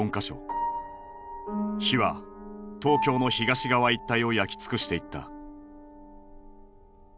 火は東京の東側一帯を焼き尽くしていった。